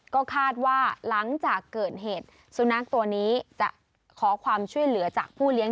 ก็คาดว่าหลังจากเกิดเหตุสุนัขตัวนี้จะขอความช่วยเหลือจากผู้เลี้ยง